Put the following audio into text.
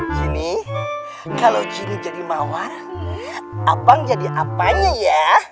gini kalau gini jadi mawar abang jadi apanya ya